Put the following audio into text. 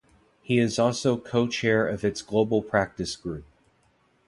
He is also Co-Chair of its Global Practice Group.